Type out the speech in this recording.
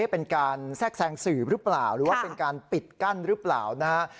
เป็นการแทรกแทรงสื่อหรือเปล่าหรือว่าเป็นการปิดกั้นหรือเปล่านะฮะ